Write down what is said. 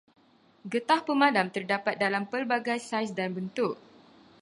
Getah pemadam terdapat dalam pelbagai saiz dan bentuk.